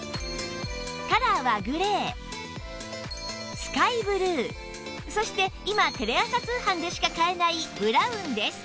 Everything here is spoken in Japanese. カラーはグレースカイブルーそして今テレ朝通販でしか買えないブラウンです